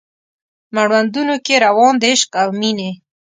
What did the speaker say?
مړوندونو کې روان د عشق او میینې